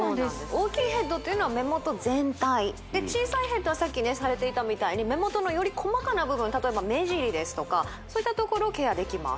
大きいヘッドというのは目元全体で小さいヘッドはさっきされていたみたいに目元のより細かな部分例えば目尻ですとかそういった所をケアできます